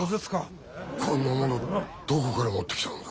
こんなものどこから持ってきたのだ？